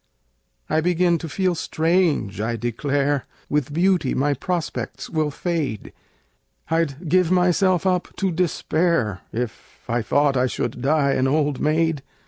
I begin to feel strange, I declare! With beauty my prospects will fade I'd give myself up to despair If I thought I should die an old maid!